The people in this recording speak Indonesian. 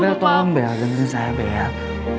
bel tolong belajarin saya bel